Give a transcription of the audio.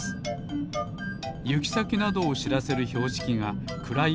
ゆきさきなどをしらせるひょうしきがくらい